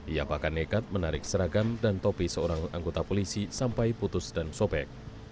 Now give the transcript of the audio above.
ia bahkan nekat menarik seragam dan topi seorang anggota polisi sampai putus dan sobek